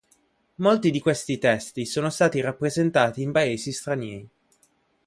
Molti di questi testi sono stati rappresentati in Paesi stranieri.